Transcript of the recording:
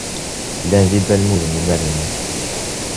Llan d ibalmuden imir-nni.